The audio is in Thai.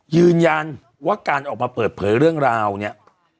ยืนยันว่าการออกมาเปิดเผยเรื่องราวเนี่ย